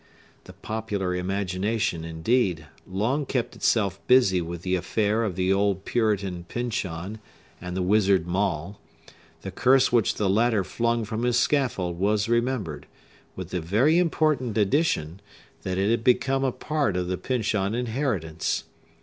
The popular imagination, indeed, long kept itself busy with the affair of the old Puritan Pyncheon and the wizard Maule; the curse which the latter flung from his scaffold was remembered, with the very important addition, that it had become a part of the Pyncheon inheritance.